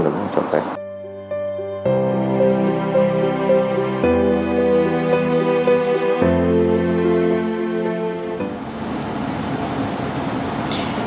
rất là thật